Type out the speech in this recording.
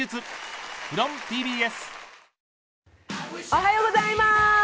おはようございます。